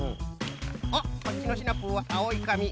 おっこっちのシナプーはあおいかみ。